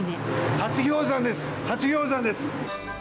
初氷山です。